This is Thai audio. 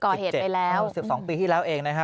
ก่อเหตุไปแล้ว๑๒ปีที่แล้วเองนะฮะ